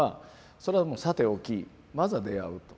それはさておきまずは出会うと。